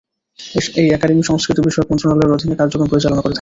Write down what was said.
এই একাডেমি সংস্কৃতি বিষয়ক মন্ত্রণালয়ের অধীনে কার্যক্রম পরিচালনা করে থাকে।